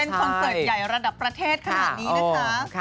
คอนเสิร์ตใหญ่ระดับประเทศขนาดนี้นะคะ